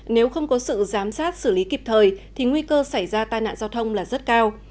nếu không có sự giám sát xử lý kịp thời thì nguy cơ xảy ra tai nạn giao thông là rất cao